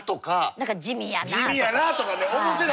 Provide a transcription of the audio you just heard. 何か地味やな。